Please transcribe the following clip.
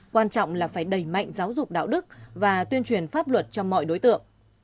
quan trọng là phải đẩy mạnh giáo dục đạo đức và tuyên truyền pháp luật cho mọi đối tượng